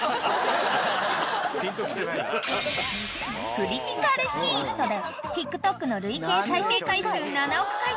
［「クリティカルヒット！」でＴｉｋＴｏｋの累計再生回数７億回と大ブレーク！］